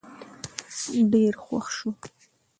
ډېر خوښ شو